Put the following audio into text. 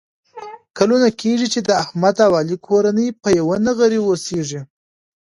کلونه کېږي چې د احمد او علي کورنۍ په یوه نغري اوسېږي.